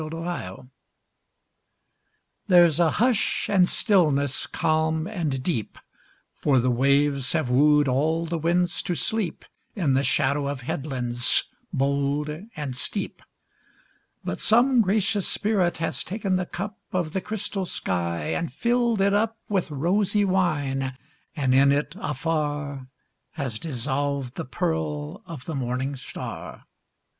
8 Autoplay There's a hush and stillness calm and deep, For the waves have wooed all the winds to sleep In the shadow of headlands bold and steep; But some gracious spirit has taken the cup Of the crystal sky and filled it up With rosy wine, and in it afar Has dissolved the pearl of the morning star.